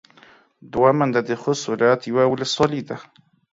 دوه منده د خوست ولايت يوه ولسوالي ده.